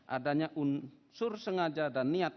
adanya unsur sengaja dan niat